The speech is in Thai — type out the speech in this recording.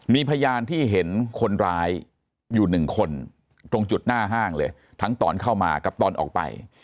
มีพยานที่เห็นคนร้ายอยู่หนึ่งคนตรงจุดหน้าห้างเลยทั้งตอนเข้ามากับตอนออกไป